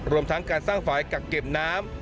รวมทั้งการสร้างฝ่ายกักเก็บน้ำ